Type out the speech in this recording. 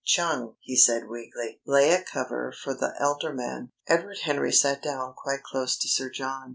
"Chung," he said weakly, "lay a cover for the alderman." Edward Henry sat down quite close to Sir John.